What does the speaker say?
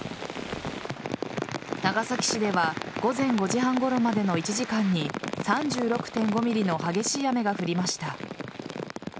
長崎市では午前５時半ごろまでの１時間に３６．５ｍｍの激しい雨が降りました。